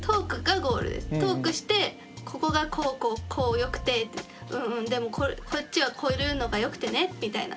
トークしてここがこうこうこうよくてうんうんでもこっちはこういうのがよくてねみたいな。